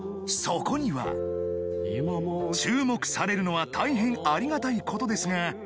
そこには「注目されるのは大変有難い事ですが」